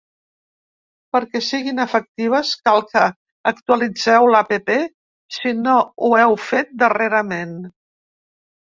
Perquè siguin efectives, cal que actualitzeu l’app si no ho heu fet darrerament.